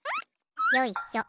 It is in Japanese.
よいしょ。